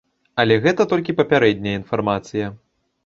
Але гэта толькі папярэдняя інфармацыя.